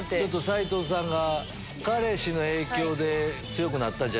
斉藤さんが。